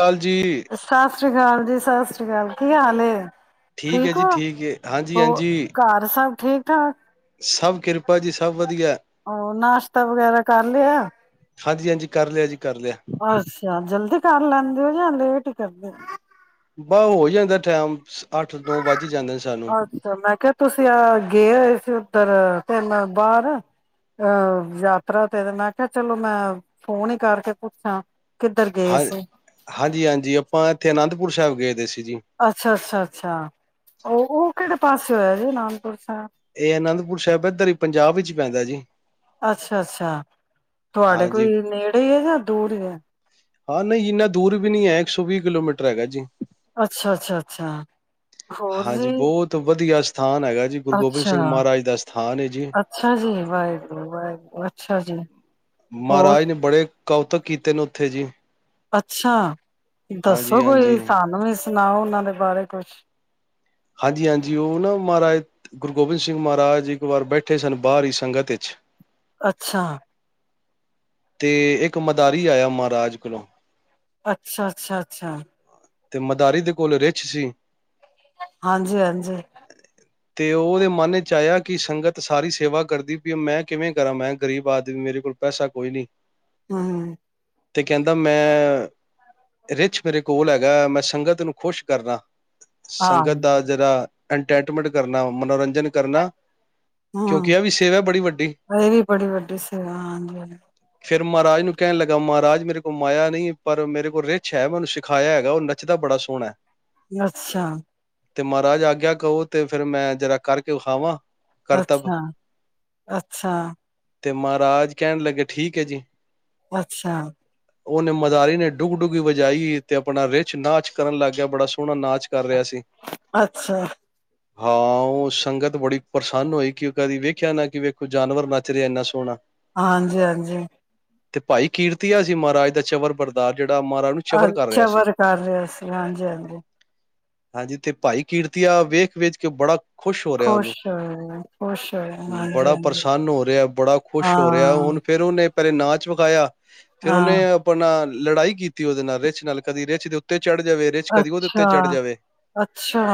ਕਾਲ ਜੀ ਸਤਿ ਸ਼੍ਰੀ ਅਕਾਲ ਜੀ ਸਤਿ ਸ਼੍ਰੀ ਅਕਾਲ ਕੀ ਹਾਲਸੲਏ ਠੀਕ ਹੈ ਜੀ, ਠੀਕ ਹੈ, ਹਾਂਜੀ ਹਾਂਜੀ ਘਰ ਸਭ ਠੀਕ, ਠਾਕ ਸਭ ਕਿਰਪਾ ਜੀ, ਸਭ ਵਧੀਆ ਉਹ ਨਾਸ਼ਤਾ ਵਗੈਰਾ ਕਰ ਲਿਆ ਹਾਂਜੀ, ਹਾਂਜੀ ਕਰ ਲਿਆ ਜੀ ਕਰ ਲਿਆ ਅੱਛਾ ਜਲਦੀ ਕਰ ਲੈਂਣਦੇ ਓ ਜਾਂ ਲੇਟ ਹੀ ਕਰਦੇ ਆ ਬਾਹ ਹੋ ਜਾਂਦਾ ਟਾਈਮ ਅੱਠ ਨੋ ਵੱਜ ਹੀ ਜਾਂਦੇ ਨੇ ਸਾਨੂੰ ਹੋ ਅੱਛਾ ਮੈਂ ਕਿਹਾ ਤੁਸੀਂ ਆਹ ਗਏ ਹੋਏ ਸੀ ਉੱਧਰ ਤੇ ਮੈਂ ਬਾਹਰ ਅਹ ਯਾਤਰਾ ਤੇ ਮੈਂ ਕਿਹਾ ਚਲੋ ਮੈਂ ਫੋਨ ਹੀ ਕਰਕੇ ਪੁੱਛਾਂ ਕਿੱਧਰ ਗਏ ਹਾਂ, ਸੀ ਹਾਂਜੀ ਹਾਂਜੀ ਆਪਾਂ ਇੱਥੇ ਅਨੰਦ ਪੁਰ ਸਾਹਿਬ ਗਏ ਸੀ ਜੀ ਅੱਛਾ, ਅੱਛਾ ਅੱਛਾ ਉਹ ਉਹ ਕਿਹੜੇ ਪਾਸੇ ਹੋਇਆ, ਅਨੰਦ ਅੱਛਾ, ਇਹ ਅਨੰਦਪੁਰ ਸਾਹਿਬ ਇੱਧਰ ਹੀ ਪੰਜਾਬ ਵਿੱਚ ਪੈਂਦਾ ਜੀ ਅੱਛਾ ਤੁਹਾਡੇ ਹਾਂਜੀ ਕੋਈ ਨੇੜੇ ਹੈ ਜਾਂ ਦੂਰ ਹੀ ਹੈ ਹਾਂ ਨਹੀਂ ਇੰਨਾ ਦੂਰ ਵੀ ਨੀ ਹੈ ਇੱਕ ਸੌ ਵੀਹ ਕਿਲੋਮੀਟਰ ਹੈਗਾ ਜੀ ਅੱਛਾ, ਅੱਛਾ ਅੱਛਾ ਹੋਰ ਹਾਂਜੀ ਵੀ ਬਹੁਤ ਵਧੀਆ ਸਥਾਨ ਹੈਗਾ ਜੀ ਗੁਰੂ ਗੋਬਿੰਦ ਅੱਛਾ ਸਿੰਘ ਮਹਾਰਾਜ ਦਾ ਸਥਾਨ ਹੈ ਜੀ ਅੱਛਾ ਜੀ ਵਾਹਿਗੁਰੂ ਵਾਹਿਗੁਰੂ ਅੱਛਾ ਜੀ ਹੋਰ ਮਹਾਰਾਜ ਨੇ ਬੜੇ ਕੌਤਕ ਕੀਤੇ ਨੇ ਉੱਥੇ ਜੀ ਅੱਛਾ ਦੱਸੋ ਹਾਂਜੀ ਕੋਈ ਹਾਂਜੀ ਸਾਨੂੰ ਵੀ ਸੁਣਾਓ ਉਹਨਾਂ ਦੇ ਬਾਰੇ ਕੁਛ ਹਾਂਜੀ ਹਾਂਜੀ ਉਹ ਨਾ ਮਹਾਰਾਜ ਗੁਰੂ ਗੋਬਿੰਦ ਸਿੰਘ ਮਹਾਰਾਜ ਇੱਕ ਵਾਰ ਬੈਠੇ ਸਨ ਬਾਹਰਰੀ ਸੰਗਤ ਵਿੱਚ ਅੱਛਾ ਤੇ ਇੱਕ ਮਦਾਰੀ ਆਇਆ ਮਹਾਰਾਜ ਕੋਲੋਂ ਅੱਛਾ, ਅੱਛਾ ਅੱਛਾ ਤੇ ਮਦਾਰੀ ਦੇ ਕੋਲ ਰਿੱਛ ਸੀ। ਹਾਂਜੀ ਹਾਂਜੀ ਤੇ ਉਹਦੇ ਮਨ ਵਿੱਚ ਆਇਆ ਕਿ ਸੰਗਤ ਸਾਰੀ ਸੇਵਾ ਕਰਦੀ ਵੀ ਮੈਂ ਕਿਵੇਂ ਕਰਾਂ ਮੈਂ ਗ਼ਰੀਬ ਆਦਮੀ ਮੇਰੇ ਕੋਲ ਪੈਸਾ ਕੋਈ ਨਹੀਂ ਹੂੰ ਤੇ ਕਹਿੰਦਾ ਮੈਂ ਰਿਛ ਮੇਰੇ ਕੋਲ ਹੈਗਾ ਹੈਗਾ ਮੈਂ ਸੰਗਤ ਨੂੰ ਖੁਸ਼ ਕਰਨਾ ਹਾਂ, ਸੰਗਤ ਦਾ ਜਿਹੜਾ ਇਨਮੈਂਟ ਕਰਨਾ ਮਨੋਰੰਜਨ ਕਰਨਾ ਹਮ ਕਿਉਂਕਿ ਇਹ ਵੀ ਸੇਵਾ ਬੜੀ ਵੱਡੀ ਇਹ ਵੀ ਬੜੀ ਵੱਡੀ ਸਵਾ ਹਾਂਜੀ ਹ ਫੇਿਰ ਮਹਾਰਾਜ ਨੂੰ ਕਹਿਣ ਲੱਗਾ ਮਹਾਰਾਜ ਮੇਰੇ ਕੋਲ ਮਾਇਆ ਨਹੀਂ ਪਰ ਮੇਰੇ ਕੋਲ ਰਿਛ ਹੈ ਮੈਨੂੰ ਸਿਖਾਇਆ ਉਹ ਨੱਚਦਾ ਬੜਾ ਸੋਹਣਾ ਹੈ ਅੱਛਾ ਤੇ ਮਹਾਰਾਜ ਆਗਿਆ ਕਹੋ ਤੇ ਫੇਿਰ ਮੈਂ ਜਰਾ ਕਰਕੇ ਵਿਖਾਵਾਂ ਕਰਤਬ ਅੱਛਾ ਅੱਛਾ ਤੇ ਮਹਾਰਾਜ ਕਹਿਣ ਲੱਗੇ ਠੀਕ ਹੈ ਜੀ ਅੱਛਾ ਉਹਨੇ ਮਦਾਰੀ ਨੇ ਡੁਗ ਡੁਘੀ ਵਜਾਈ ਤੇ ਆਪਣਾ ਰਿਚ ਨਾਚ ਕਰਨ ਲੱਗ ਗਿਆ ਬੜਾ ਸੋਹਣਾ ਨਾਚ ਕਰ ਰਿਹਾ ਸੀ ਅੱਛਾ ਹਾਂ ਉਹ ਸੰਗਤ ਬੜੀ ਪ੍ਰਸੰਨ ਹੋਈ ਕਿ ਕਦੀ ਵੇਖਿਆ ਨਾ ਕਿ ਵੇਖੋ ਜਾਨਵਰ ਨੱਚ ਰਿਹਾ ਇੰਨਾ ਸੋਹਣਾ ਹਾਂਜੀ ਹਾਂਜੀ ਤੇ ਭਾਈ ਕੀਰਤੀਆ ਸੀ ਮਹਾਰਾਜ ਦਾ ਚਬਰ ਬਰਦਸ਼ ਜਿਹੜਾ ਮਹਾਰਾਜ ਨੂੰ ਚਬਰ ਕਰ ਅੱਛਾ ਰਿਹਾ ਸੀ ਵਰ ਕਰ ਰਿਹਾ ਸੀ ਹਾਂਜੀ ਹਾਂਜੀ ਹਾਂਜੀ ਤੇ ਭਾਈ ਕੀਰਤੀਆਂ ਵੇਖ ਵੇਖ ਕੇ ਬੜਾ ਖੁਸ਼ ਹੋ ਰਿਹਾ ਉਹਨੂੰ ਹੋਏ, ਖੁਸ਼ ਹੋਏ, ਬੜਾ ਹਾਂਜੀ-ਹਾਂਜੀ, ਪ੍ਰਸੰਨ ਹੋ ਰਿਹਾ ਬੜਾ ਖੁਸ਼ ਹੋ ਰਿਹਾ ਹੁਣ ਹਾਂ। ਫੇਿਰ ਉਹਹਨੇ ਪਰਰੇ ਨਾਚ ਵਿਕਾਇਆ ਫੇਿਰ ਹਾਂ, ਉਹਨੇ ਆਪਣਾ ਲੜਾਈ ਕੀਤੀ ਉਹਦੇ ਨਾਲ ਰ ਨਾਲ ਕਦੀ ਰਚ ਦੇ ਉੱਤੇ ਚੜ੍ਹ ਜਾਵੇ ਰਿਛ ਕਦੀ ਉਹਦੇ ਉਤੇ ਅੱਛਾ, ਚੜ੍ਹ ਜਾਵੇ ਅੱਛਾ,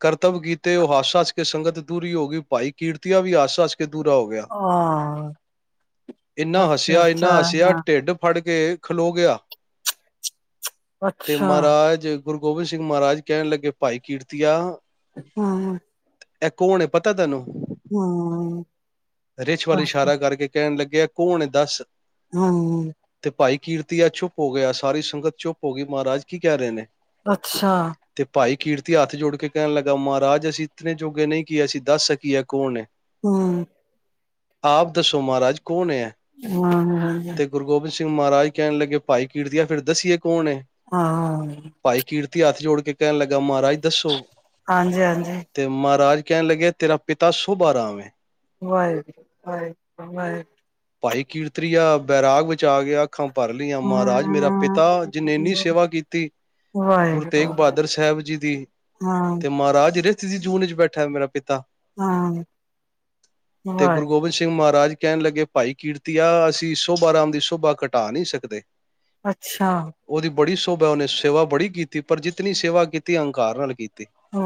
ਕਰਤਵ ਗੀਤ ਤੇ ਉਹ ਹਾਦਸਾ ਚ ਕੇ ਸੰਗਤ ਦੂਰੀ ਹੋ ਗਈ ਭਾਈ ਕੀਰਤੀਆਂ ਵੀ ਆਸਾ ਦੂਰਾ ਹੋ ਗਿਆ ਹਾਂ। ਇੰਨਾ ਅੱਛਾ, ਹੱਸਿਆ ਅੱਛਾ, ਇੰਨਾ ਹੱਸਿਆ ਹਾਂ, ਢਿੱਡ ਫੜ ਕੇ ਕੇ ਖਲੋ ਗਿਆ ਤੇ ਅੱਛਾ, ਮਹਾਰਾਜ ਗੁਰੂ ਗੋਬਿੰਦ ਸਿੰਘ ਮਹਾਰਾਜ ਕਹਿਣ ਲੱਗੇ ਭਾਈ ਕੀਰਤੀਆਂ ਹਾਂ ਇਹ ਕੌਣ ਪਤਾ ਤੈਨੂੰ ਹੂੰ। ਰਿਿੱਛ ਵਾਲੀ ਇਸ਼ਾਰਾ ਕਰਕੇ ਕਹਿਣ ਲੱਗੇ ਗਿਆ ਕੌਣ ਦੱਸ ਹਮ ਤੇ ਭਾਈ ਕੀਰਤੀਆ ਚੁੱਪ ਹੋ ਗਿਆ ਸਾਰੀ ਸੰਗਤ ਚੁੱਪ ਹੋ ਗਈ ਮਹਾਰਾਜ ਕੀ ਕਹਿ ਰਹੇ ਨੇ ਅੱਛਾ। ਤੇ ਭਾਈ ਕੀਰਤੀ ਹੱਥ ਜੋੜ ਕੇ ਕਹਿਣ ਲੱਗਾ ਮਹਾਰਾਜ ਅਸੀਂ ਇਤੇ ਜੋਗੇ ਨਹੀਂ ਕੀ ਅਸੀਂ ਦੱਸ ਸਕੀਏ ਕੌਣ ਨੇ ਹੂੰ। ਆਪ ਦੱਸੋ ਮਾਹਰਾਜ [unintelligible] ਤੇ ਮਾਹਰਾਜ ਕਹਿਣ ਲੱਗੇ ਭਾਈ ਕੀਰਤੀਆ ਫਿਰ ਦੱਸੀਏ ਕੌਣ ਏ, ਹਾਂ। ਭਾਈ ਕੀਰਤੀਆ ਹੱਥ ਜੋੜ ਕੇ ਕਹਿਣ ਲੱਗਾ ਮਾਹਰਾਜ ਦੱਸੋ ਹਾਂਜੀ-ਹਾਂਜੀ। ਕੈਣ ਲੱਗੇ ਤੇਰਾ ਪਿਤਾ ਸ਼ੁਭ ਆਰਾਮ ਏ। ਵਾਹਿਗੁਰੂ, ਵਾਹਿਗੁਰੂ, ਵਾਹਿਗੁਰੂ। ਭਾਈ ਕੀਰਤਰੀਆ ਬੈਰਾਗ ਵਿੱਚ ਆ ਗਿਆ ਅੱਖਾਂ ਭਰ ਲਈਆਂ ਮਾਹਰਾਜ ਮੇਰਾ ਪਿਤਾ ਜਿੰਨ ਏਨੀ ਹੂੰ, ਸੇਵਾ ਕੀਤੀ ਗੁਰੂ ਤੇਗ ਵਾਹਿਗੁਰੂ, ਬਹਾਦਰ ਸਹਿਬ ਜੀ ਦੀ ਹਾਂ, ਤੇ ਮਾਹਰਾਜ ਜਿਦੇ ਚ ਜਿਦੀ ਜੂਨ ਇੱਚ ਬੈਠੈਂ ਮੇਰਾ ਪਿਤ ਤਾ ਹਾਂ, ਤੇ ਗੁਰੂ ਵਾਹਿਗੁਰੂ, ਗੋਬਿੰਦ ਸਿੰਘ ਮਾਹਰਾਜ ਕੈਣ ਲੱਗੇ ਭਾਈ ਕੀਰਤੀਆ ਅਸੀਂ ਸੋਭਾ ਰਾਮ ਦੀ ਸੋਭਾ ਘਟਾ ਨਈ ਸਕਦੇ ਅੱਛਾ! ਉਹਦੀ ਬੜੀ ਸੋਭਾ ਏ ਉਹਨੇ ਸੇਵਾ ਬੜੀ ਕੀਤੀ ਪਰ ਜਿਤਨੀ ਸੇਵਾ ਕੀਤੀ ਅਹੰਕਾਰ ਨਾਲ ਕੀਤ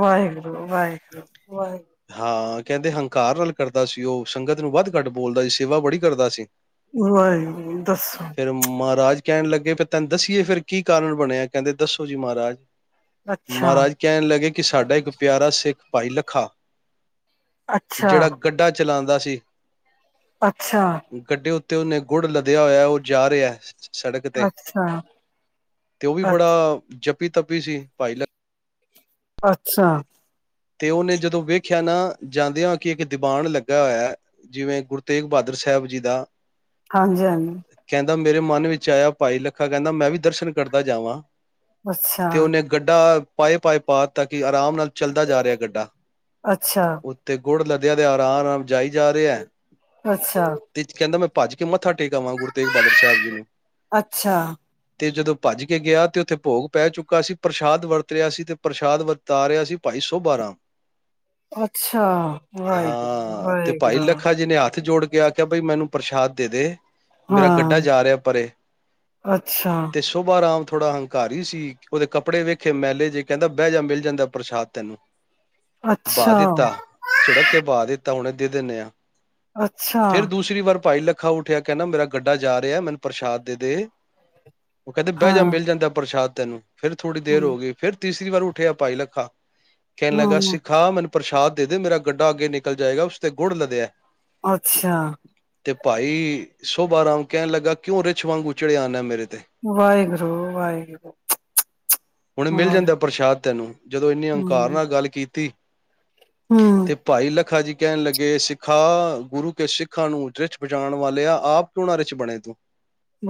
ਵਾਹਿਗੁਰੂ, ਵਾਹਿਗੁਰੂ, ਵਾਹਿਗੁਰੂ। ਹਾਂ ਕਹਿੰਦੇ ਹੰਕਾਰ ਨਾਲ ਕਰਦਾ ਸੀ। ਉਹ ਸੰਗਤ ਨੂੰ ਵੱਧ ਘੱਟ ਬੋਲਦਾ ਸੀ। ਸੇਵਾ ਬੜੀ ਕਰਦਾ ਸੀ। ਵਾਹਿਗੁਰੂ, ਦੱਸੋ। ਫਿਰ ਮਹਾਰਾਜ ਕਹਿਣ ਲੱਗੇ ਫੇਰ ਤੈਨ ਦੱਸੀ ਕੀ ਏ ਫਿਰ ਕੀ ਕਾਰਨ ਬਣਿਐ ਕਹਿੰਦੇ ਦੱਸੋ ਜੀ ਮਾਹਰਾਜ ਅੱਛਾ ਮਾਹਰਾਜ ਕਹਿਣ ਲੱਗੇ ਕਿ ਸਾਡਾ ਇੱਕ ਪਿਆਰਾ ਸਿੱਖ ਭਾਈ ਲੱਖਾ ਅੱਛਾ ਜਿਹੜਾ ਗੱਡਾ ਚਲਾਂਦਾ ਸੀ ਸੀ। ਅੱਛਾ। ਤੇ ਉਹਨੇ ਗੁੜ ਲਦਿਆ ਹੋਇਐ ਉਹ ਜਾ ਰਿਹੈ ਅੱਛਾ। ਤੇ ਉਹ ਵੀ ਅ ਬੜਾ ਜੱਪੀ ਤੱਪੀ ਸੀ ਭਾਈ ਲ ਅੱਛਾ ਤੇ ਉਹਨੇ ਜਦੋਂ ਵੇਖਿਆ ਨਾ ਜਾਂਦਿਆਂ ਕਿ ਇੱਕ ਦੀਬਾਨ ਲੱਗਾ ਹੋਇਐ ਜਿਵੇਂ ਗੁਰੂ ਤੇਗ ਬਹਾਦਰ ਸਹਿਬ ਜੀ ਦਾ ਹਾਂਜੀ-ਹਾਂਜੀ। ਕਹਿੰਦਾ ਮੇਰੇ ਮਨ ਵਿੱਚ ਆਇਆ ਭਾਈ ਲੱਖਾ ਕਹਿੰਦਾ ਮੈਂ ਵੀ ਦਰਸ਼ਨ ਕਰਦਾ ਜਾਵਾਂ। ਹਾਂਜੀ ਤੇ ਉਹਨੇ ਗੱਡਾ ਪਾਏ ਪਾਏ ਪਾ ਤਾ ਕਿ ਆਰਾਮ ਨਾਲ ਚ ਜਾ ਰਿਹਾ ਗੱਡਾ ਅੱਛਾ ਉੱਥੇ ਗੁੜ ਲੱਦਿਆ ਤੇ ਆਰ ਆਰਾਮ ਜਾਈ ਜਾ ਰਿਹਾ ਅੱਛਾ ਅੱਛਾ ਤੇ ਕਹਿੰਦਾ ਮੈਂ ਭੱਜ ਕੇ ਮੱਥਾ ਟੇਕ ਆਵਾਂ ਗੁਰੂ ਤੇਗ ਬਹਾਦਰ ਸਾਹਿਬ ਜੀ ਨੂੰ। ਅੱਛਾ ਤੇ ਜਦੋਂ ਭੱਜ ਕੇ ਗਿਆ ਤੇ ਉੱਥੇ ਭੋਗ ਪੈ ਚੁੱਕਾ ਸੀ, ਪ੍ਰਸ਼ਾਦ ਵਰਤ ਰਿਹਾ ਸੀ ਤੇ ਪ੍ਰਸ਼ਾਦ ਵਰਤਾ ਰਿਹਾ ਸੀ। ਭਾਈ ਸੋਭਾ ਰਾਮ। ਅੱਛਾ ਵਾਹਿਗੁਰੂ -ਵਾਹਿਗੁਰੂ ਕਿ ਆਖਿਆ ਬਈ ਮੈਨੂੰ ਪ੍ਰਸ਼ਾਦ ਦੇ ਦੇ। ਮੇਰਾ ਹਾਂ ਗੱਡਾ ਜਾ ਰਿਹਾ ਪਰੇ ਅੱਛਾ ਤੇ ਸੋਭਾ ਰਾਾਮ ਥੋੜਾ ਹੰਕਾਰੀ ਸੀ, ਉਹਦੇ ਕੱਪੜੇ ਵੇਖੇ ਮੈਲੇ ਜੇ ਕਹਿੰਦਾ ਬਹਿ ਜਾ ਮਿਲ ਜਾਂਦਾ ਪ੍ਰਸ਼ਾਦ ਤੈਨੂੰ ਬਾਹ ਅੱਛਾ ਦਿੱਤਾ ਚਿੱੜਕ ਕੇ ਬਾਹ ਦਿੱ ਤਾਂ ਹੁਣੇ ਦੇ ਦਿੰਦੇ ਹਾਂ। ਅੱਛਾ ਫਿਰ ਦੂਸਰੀ ਵਾਰ ਭਾਈ ਲੱ ਅੱਖਾ ਉੱਠਿਆ ਕਹਿੰਦਾ ਮੇਰਾ ਗੱਡਾ ਜਾ ਰਿਹਾ ਮੈਨੂੰ ਪ੍ਰਸ਼ਾਦ ਦੇ ਦੇ। ਉਹ ਕਹਿੰਦੇ ਬਹਿ ਹਾਂ ਜਾ ਮਿਲ ਜਾਂਦਾ ਪ੍ਰਸ਼ਾਦ ਤੈਨੂੰ ਫਿਰ ਥੋੜੀ ਦੇਰ ਹਮ ਹੋ ਗਈ ਫਿਰ ਤੀਸਰੀ ਤ ਵਾਰ ਉੱਠਿਆ ਭਾਈ ਲੱਖਾ ਕਹਿਣ ਲੱਗਾ ਹਮ ਸਿਖਾ ਮੈਨੂੰ ਪ੍ਰਸ਼ਾਦ ਦੇ ਮੇਰਾ ਗੱਡਾ ਅੱਗੇ ਨਿਕਲ ਜਾਏਗਾ ਉਸ ਤੇ ਗੁੜ ਲਦਿਆ। ਅੱਛਾ ਤੇ ਭਾਈ ਸੋਭਾਰਾਮ ਕਹਿਣ ਲੱਗਾ ਕਿਉਂ ਰਿੱਛ ਵਾਂਗ ਚੜਿਆ ਆਣਾ ਮੇਰੇ ਤੇ ਵਾਹਿਗੁਰੂ ਵਾਹਿਗੁਰੂ ਹੁਣ [inaudible] ਮਿਲ ਵਾ ਜਾਂਦਾ ਪ੍ਰਸ਼ਾਦ ਤੈਨੂੰ ਜਦੋਂ ਇੰਨੀ ਅੰਕਾਰ ਨਾਲ ਗੱਲ ਕੀਤੀ ਹਮ ਤੇ ਭਾਈ ਲੱਖਾ ਜੀ। ਕਹਿਣ ਲੱਗੇ ਸਿੱਖਾਂ ਗੁਰੂ ਕੇ ਸਿੱਖਾਂ ਨੂੰ ਰਿੱਛ ਬਚਾਉਣ ਵਾਲੇ ਆ ਆਪ ਕਿਉਂ ਨਾ ਰਿਛ ਬਣੇ ਤੂੰ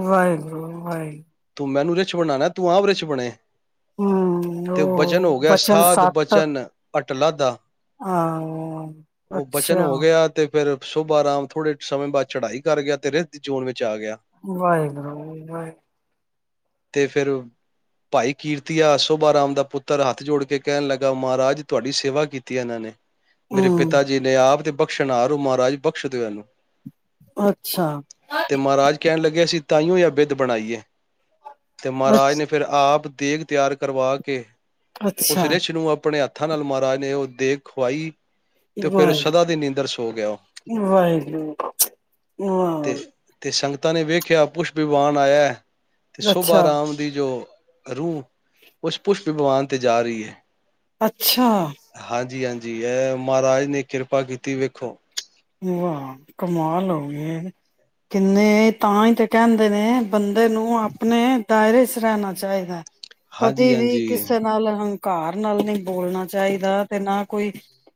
ਵਾਹਿਗੁਰੂ ਵਾਹਿਗੁਰੂ ਤੂੰ ਮੈਨੂੰ ਰਿਛ ਬਣਾਣਾ ਤੂੰ ਆਪ ਰਿਛ ਬਣੇ। ਹੂੰ ਉਹ ਬੱਚ ਥਾਦ ਬਚਨ ਅਟਲਾ ਦਾ ਆਾਂ ਉਹ ਬਚਨ ਅੱਛਾ ਹੋ ਗਿਆ ਤੇ ਫਿਰ ਸੁਭਾ ਆਰਾਮ ਥੋੜੇ ਸਮੇਂ ਬਾਅਦ ਚੜਾਈ ਕਰ ਗਿਆ ਤੇ ਰੇਤ ਜੂਨ ਵਿੱਚ ਆ ਗਿਆ ਵਾਹਿਗੁਰ ਵਾ ਤੇ ਫਿਰ ਭਾਈ ਕੀਰਤੀਆ ਸੋਭਾ ਰਾਮ ਦਾ ਪੁੱਤਰ ਹੱਥ ਜੋੜ ਕੇ ਕਹਿਣ ਲੱਗਾ ਮਹਾਰਾਜ ਤੁਹਾਡੀ ਸੇਵਾ ਕੀਤੀ ਹੈ ਇਹਨਾਂ ਨੇ ਮੇਰੇ ਹੂੰ ਪਿਤਾ ਜੀ ਨੇ ਆਪ ਤੇ ਬਖਸ਼ਣ ਆਾਰੋ ਮਹਾਰਾਜ ਬਖਸ਼ ਦਿ ਇਹਨੂੰ ਅੱਛਾ ਤੇ ਮਹਾਰਾਜ ਕਹਿਣ ਲੱਗਿਆ ਸੀ ਤਾਈਓ ਜਾਂ ਬਿੱਧ ਬਣਾਈਏ ਤੇ ਅੱਛ ਮਹਾਰਾਜ ਨੇ ਫਿਰ ਆਪ ਤੇਗ ਤਿਆਰ ਕਰਵਾ ਕੇ ਉਸ ਅੱਛਾ ਰਿਸ਼ ਨੂੰ ਆਪਣੇ ਹੱ ੱਥਾਂ ਨਾਲ ਮਹਾਰਾਜ ਨੇ ਉਹ ਦੇਖਵਾਈ ਉਹ [unintelligible] ਤਾ ਨੇ ਵੇਖਿਆ ਪੁਛ ਬਿਵਾਨ ਆਇਆ ਤੇ ਸੋਭਾ ਅੱਛਾ ਰਾਮ ਦੀ ਜੋ ਰੂਹ ਉਸ ਪੁਸ਼ਪ ਵਿਗਵਾਨ ਤੇ ਜਾਰੀ ਹੈ ਅੱਛਾ ਹਾਂਜੀ ਹਾਂਜੀ ਜੀ ਹੈ ਮਹਾਰਾਜ ਨੇ ਕਿਰਪਾ ਕੀਤੀ ਵੇਖੋ ਵਾਹ ਕਮਾ ਲਓਗੇ ਕਿੰਨੇ ਤਾਂ ਹੀ ਤੇ ਕਹਿੰਦੇ ਨੇ ਬੰਦੇ ਨੂੰ ਆਪਣੇ ਦਾਇਰੇ ਰਹਿਣਾ ਚਾਹੀਦਾ ਹਾਂਜੀ ਕਦੇ ਵੀ ਹਾਂਜੀ ਕਿਸੇ ਨਾਲ ਹ ਘਰ ਨਾਲ ਨਹੀਂ ਬੋਲਣਾ ਚਾਹੀਦਾ ਤੇ ਨਾ ਕੋਈ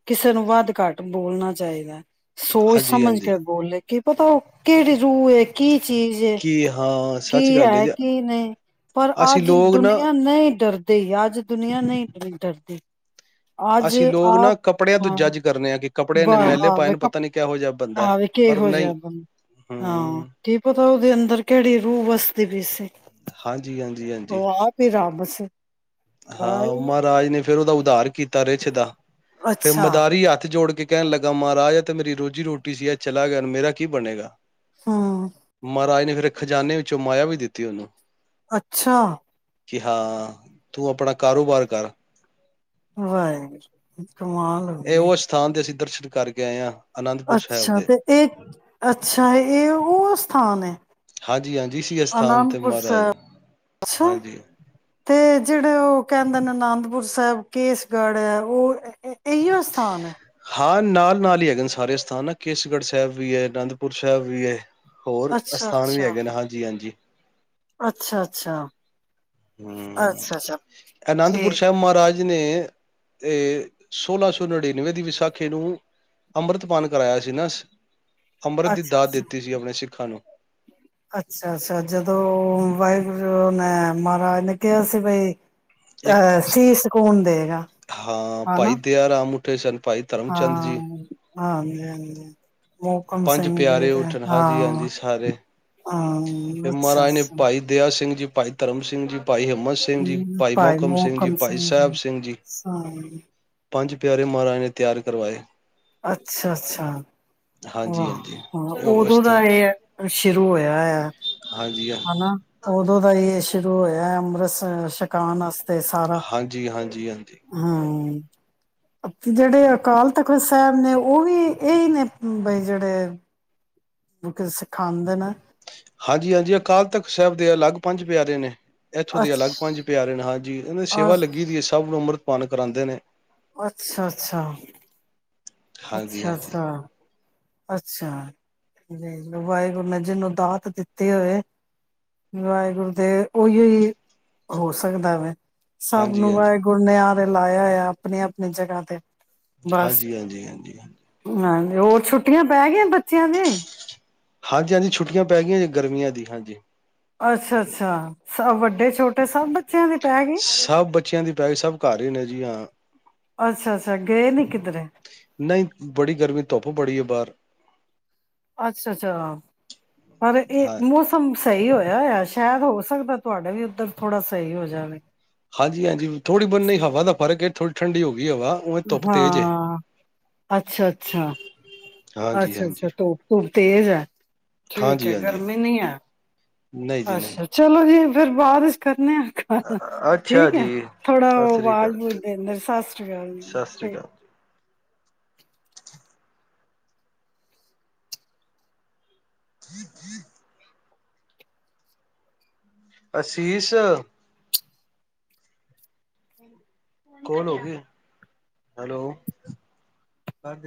ਕਿਸੇ ਨੂੰ ਵੱਧ ਘੱਟ ਬੋਲਣਾ ਚਾਹੀਦਾ ਸੋਚ ਹਾਂਜੀ ਸਮਝ ਕੇ ਹਾਂਜੀ ਬੋਲੇ ਕੀ ਪਤਾ ਉਹ ਕਿਹੜੀ ਰੂਹ ਹੈ ਕੀ ਚੀਜ਼ ਕੀ ਹਾਂ ਕੀ ਸੱਚ ਗੱਲ ਹੈ ਜੀ ਕੀ ਨਹੀਂ ਪਰ ਅਸੀਂ ਅੱਜ ਲੋਕ ਨਾ ਦੁਨੀਆਂ ਨਹੀਂ ਡਰਦੀ ਤੇ ਯਾਦ ਅੱਜ ਦੁਨੀਆਂ ਨਹੀਂ ਡਰਦੀ ਅੱਜ ਅਸੀਂ ਲੋਕ ਨਾ ਕੱਪੜਿਆਂ ਤੋਂ ਜੱਜ ਕਰਨੇ ਆ ਕਿ ਕੱਪੜਿਆਂ ਹ ਨੇ ਮੈਲੇ ਪਾਏ ਨੂੰ ਪਤਾ ਨੀ ਕਿਹੋ ਜਿਹਾ ਬੰਦਾ ਹੈ। ਹਾਂ ਪਰ ਨਹੀਂ ਕਿੋਿਹਾਾਂ ਨੂੰ ਹਾਂ ਹੂੰ ਕੀ ਪਤਾ ਉਹਦੇ ਅੰਦਰ ਕਿਹੜੀ ਰੂਹ ਬਸਦੇ ਬ ਸੀ ਹਾਂਜੀ ਹਾਂਜੀ ਹਾਂਜੀ ਬਸ ਹਾਂ ਮਹਾਰਾਜ ਨੇ ਫਿਰਰਦਾ ਉਦਾਹਾਰ ਕੀਤਾ ਰਿੱਛਦਾ ਫੇਿਰ ਅੱਛਾ ਮਦਾਰੀ ਹੱਥ ਜੋੜ ਕੇ ਕਹਿਣ ਲੱਗਾ ਮਹਾਰਾਜ ਹੈ ਤੇ ਮੇਰੀ ਰੋਜ਼ੀ ਰੋਟੀ ਸੀ ਇਹ ਚਲਾ ਗਿਆ ਮੇਰਾ ਕੀ ਬਣੇਗਾ ਹਾਂ ਖਜਾਨੇ ਵਿੱਚੋਂ ਮਾਇਆ ਵੀ ਦਿੱਤੀ ਉਹਨੂੰ ਅੱਛਾ ਕਿ ਹਾਂ ਤੂੰ ਆਪਣਾ ਕਾਰੋਬਾਰ ਕਰ [unintelligible] ਕਮਾਲ ਹੋ ਇਹ ਗਈ ਉਹ ਅਸਥਾਨ ਦੇ ਅਸੀਂ ਦਰਸ਼ਨ ਕਰਕੇ ਆਏਆਾਂ ਅੱਛਾ ਤੇ ਇਹ ਅੱਛਾ ਇਹ ਉਹ ਸਥਾਨ ਹੈ ਹਾਂਜੀ ਹਾਂਜੀ ਸੀ ਅਸਥਾਨ ਤੇ ਅਨੰਦਪੁਰ ਮਹਾਰਾਜ ਸਾਹਿਬ ਅੱਛਾ ਹਾਂਜੀ ਤੇ ਜਿਹੜੇ ਉਹ ਕਹਿੰਦੇ ਨੇ ਅਨੰਦਪੁਰ ਸਾਹਿਬ ਕੇਸਗੜ੍ਹ ਹੈ ਉਹ ਇਹੀਓ ਸਥਾਨ ਹੈ ਹਾਂ ਨਾਲ ਨਾਲ ਹੀ ਹੈਗੇ ਨੇ ਸਾਰੇ ਸਥਾਨ ਆ ਕੇਸਗੜ੍ਹ ਸਾਹਿਬ ਵੀ ਹੈ ਅਨੰਦਪੁਰ ਸਾਹਿਬ ਵੀ ਹੈ ਹੋਰ ਅੱਛਾ ਅਸਥਾਨ ਵੀ ਅੱਛਾ ਹੈਗੇ ਨੇ ਹਾਂਜੀ ਹਾਂਜੀ ਅੱਛਾ ਅੱਛਾ ਹਮ ਅੱਛਾ ਅੱਛਾ ਅਨੰਦਪੁਰ ਠੀਕ ਸਾਹਿਬ ਹੈ ਮਹਾਰਾਜ ਨੇ ਇਹ ੋਲਾਂ ਸੌ ਨੜਿਨਵੇਂ ਦੀ ਵਿਸਾਖੀ ਨੂੰ ਅੰਮ੍ਰਿਤਪਾਨ ਕਰਾਇਆ ਸੀ ਨਾ ਅੰਮ੍ਰਿਤ ਦੀ ਅੱਛਾ ਦਾਤ ਅੱਛਾ ਦਿੱਤੀ ਸੀ ਆਪਣੇ ਸਿੱਖਾਂ ਨੂੰ ਅੱਛਾ ਅੱਛਾ ਜਦੋਂ ਵਾਹਿਗੁਰੂ ੈਂ ਮਹਾਰਾਜ ਨੇ ਕਿਹਾ ਸੀ ਬਈ ਇੱਕ ਅਹ ਸੀ ਸਕੂਨ ਦੇਗਾ ਹਨਾ ਠੇਸਸ਼ਨ ਹਾਂ ਹਾਂ ਮੋਹਕਮ ਪੰਜ ਸਿੰਘ ਜੀ ਪਿਆਰੇ ਤੇ ਉਊੱਠਣ ਹਾਂਜੀ ਹਾਂਜੀ ਸਾਰੇ ਫ ਹਾਂ ਅੱਛਾ ਮਹਾਰਾਜ ਨੇ ਅੱਛਾ ਭਾਈ ਦਇਆ ਸਿੰਘ ਜੀ ਭਾਈ ਧਰਮ ਸਿੰਘ ਜੀ। ਭਾਈ ਹਿੰਮਤ ਸਿੰਘ ਜੀ, ਭਾਈ ਮੋਹਕਮ ਸਿੰਘ ਜੀ, ਭਾਈ ਸੈਬ ਸਿੰਘ ਜੀ। ਪੰਜ ਪਿਆਰੇ ਮਹਾਰਾਜ ਨੇ ਤਿਆਰ ਕਰਵਾਏ। ਅੱਛਾ ਅੱਛਾ, ਹਾਂਜੀ ਵਾਹ ਹਾਂਜੀ ਹਾਂ ਉਹ ਔਦੋਂ ਦਾ ਅਸਥਾਨ ਏ ਐ। ਸ਼ੁਰੂ ਹੋਈਆਂ ਐ। ਹਾਂਜੀ ਹਾਂਜੀ ਹਨਾ ਔਦੋਂ ਦਾ ਈ ਏ ਸ਼ੁਰੂ ਹੋਯੈ ਅੰਮ੍ਰਤ ਸ ਸ਼ਕਾਨ ਆਸ ਤੇ ਸਾਰਾ, ਹਾਂਜੀ ਹਾਂਜੀ ਹਮ। ਜੇੜੇ ਅਕਾਲ ਤਖ਼ਤ ਸ ਸੈਬ ਨੇ ਔ ਵੀ ਏਹੀ ਨੇ ਬਈ ਜੇੜੇ ਵਿ ਕਿ ਸਿਖਾਂਦੇ ਨੇ। ਹਾਂਜੀ ਹਾਂਜੀ, ਅਕਾਲ ਤਖ਼ਤ ਸੈਬ ਦੇ ਅਲੱਗ ਪੰਜ ਪਿਆਰੇ ਨੇ। ਐਥੋਂ ਦੇ ਅੱਛ ਅਲੱਗ ਪੰਜ ਪਿਆਰੇ ਨੇ ਹਾਂਜੀ ਇਨਾਂ ਦੀ ਸੇਵਾ ਲੱਗੀ ਦੀ ਏ ਅੱਛਾ ਸਭ ਨੂੰ ਅੰਮ੍ਰਤ ਪਾਨ ਕਰਾਂਦੇ ਨੇ। ਅੱਛਾ ਅੱਛਾ। ਹਾਂਜੀ ਅੱਛਾ ਹਾਂਜੀ ਸਾ। ਅੱਛਾ, ਵੇਖਲੋ ਵਾਹਿਗੁਰੂ ਨੇ ਜਿਹਨੂੰ ਦਾਤ ਦਿੱਤੀ ਹੋਏ ਵਾਹਿਗੁਰੂ ਦੇ ਓਈਓ ਹੀ ਹੋ ਸਕਦਾ ਵੇ। ਸਭ ਹਾਂਜੀ ਨੂੰ ਹਾਂਜੀ ਵਾਹਿਗੁਰ ਨੇ ਆ ਤੇ ਲਾਐ ਹੋਐ ਅਪਣੀ ਅਪਣੀ ਜਗ੍ਹਾ ਤੇ। ਬਸ ਹਾਂਜੀ ਹਾਂਜੀ ਹਾਂਜੀ ਹਾਂਜੀ। ਹਾਂਜੀ ਹੋਰ ਛੁਟ ਟੀਆਂ ਪੈ ਗਿਐ ਬਚ ਚਆਂ ਦੇ ਹਾਂਜੀ ਹਾਂਜੀ ਛੁੱਟੀਆਂ ਪੈ ਗਈਆਂ ਜੀ, ਗਰਮੀਆਂ ਦੀ ਹਾਂਜੀ। ਅੱਛਾ ਅੱਛਾ, ਸਵ ਵੱਡੇ ਛੋਟੇ ਸਭ ਬਚ ਸਭ ਬੱਚਆਂ ਦੀ ਪੈ ਗੀ, ਸਭ ਘਰ ਈ ਨੇ ਜੀ ਹਾਂ। ਅੱਛਾ ਅੱਛਾ ਗਏ ਨੀ ਕਿਧਰੇ ਨਈ, ਬੜੀ ਗਰਮੀ ਧੁੱਪ ਬੜੀ ਏ ਬਾਰ। ਅੱਛਾ ਅੱਛਾ, ਪਰ ਏਹ ਹਾਂ ਮੌਸਮ ਸ ਸਹੀ ਹੋਆ ਹੋਐ, ਸੈ਼ਦ ਹੋ ਸਕਦੈ ਤੁਵਾਡੇ ਵੀ ਉੱਧਰ ਥੋੜ੍ਹਾ ਸਹੀ ਹੋ ਜਾਵੇ। ਹਾਂਜੀ ਹਾਂਜੀ, ਥੋੜੀ ਬਨੇ ਨਈ ਹਵਾ ਦਾ ਫਰਕ ਏ ਥੋੜੀ ਠੰਡੀ ਹੋ ਗੀ। ਹਾਂ, ਅੱਛਾ ਅੱਛਾ, ਹਾਂਜੀ ਅੱਛਾ ਅੱਛਾ ਹਾਂਜੀ ਧੋਪ ਧੂਪ ਤੇਜ਼ ਐ। ਠੀਕ ਹਾਂਜੀ ਹੈ, ਹਾਂਜੀ ਗਰਮੀ ਨੀ ਹੈ। ਨਹੀਂ ਜੀ ਨਹੀਂ ਅੱਛਾ ਚਲੋ ਜੀ। ਫੇਰ ਬਾਦ ਚ ਕਰਣੇ ਆ। ਅੱਛਾ ਠੀਕ ਐ, ਜੀ ਸਤਿ ਥੋੜਾ੍ਰਔ ਸ੍ਰੀ ਅਕਾਲ ਵਾਜ਼ਵੂਜ ਦੇਂਦੇ ਸੱਸੀ੍ ਕਾਲ ਸਤਿ ਸ੍ਰੀ ਜੀ। ਅਕਾਲ [inaudible] ਅਸੀਸ ਕੋਣ ਹੋ ਗ ਹੈਲੋ ਕਰ